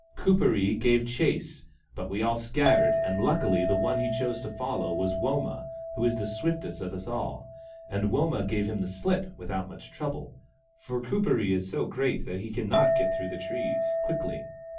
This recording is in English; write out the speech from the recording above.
Kuperee gave chase, but we all i6 THE STONE AXE OF BURKAMUKK scattered, and luckily the one he chose to follow was Woma, who is the swiftest of us all ; and Woma gave him the slip without much trouble, for Kuperee is so great that he cannot get through the trees quickly.